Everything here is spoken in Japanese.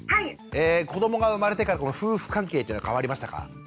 子どもが生まれてから夫婦関係っていうのは変わりましたか？